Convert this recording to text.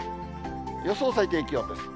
予想最低気温です。